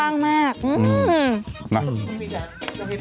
ต้องดูในวิวใช่ไหม